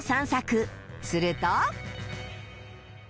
すると